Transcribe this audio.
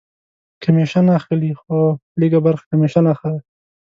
کمیشن اخلي؟ هو، لږ ه برخه کمیشن اخلی